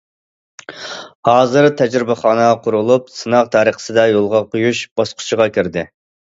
ھازىر تەجرىبىخانا قۇرۇلۇپ، سىناق تەرىقىسىدە يولغا قويۇش باسقۇچىغا كىردى.